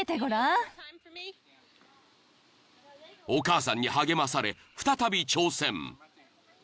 ［お母さんに励まされ再び挑戦］